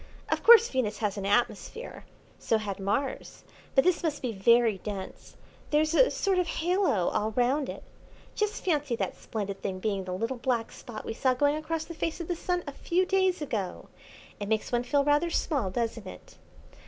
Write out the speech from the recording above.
Of course Venus has an atmosphere. So had Mars; but this must be very dense. There's a sort of halo all round it. Just fancy that splendid thing being the little black spot we saw going across the face of the Sun a few days ago! It makes one feel rather small, doesn't it?"